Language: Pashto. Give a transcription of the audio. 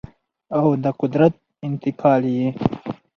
او د قدرت انتقال یې